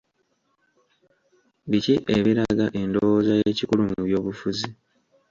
Biki ebiraga endowooza y'ekikulu mu by'obufuzi?